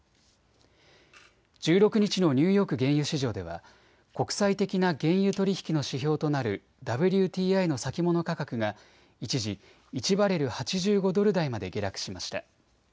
１６日のニューヨーク原油市場では国際的な原油取り引きの指標となるＷＴＩの先物価格が一時、１バレル８５ドル台まで下落しました。